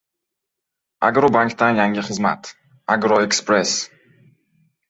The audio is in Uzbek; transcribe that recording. Agrobankdan yangi xizmat – «AgroEkspress»!